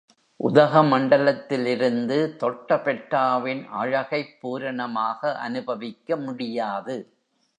உதகமண்டலத்திலிருந்து தொட்டபெட்டாவின் அழகைப் பூரணமாக அனுபவிக்க முடியாது.